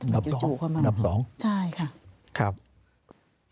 ทำไมจู่เข้ามาวิเคราะห์ค่ะใช่ค่ะครับนับสอง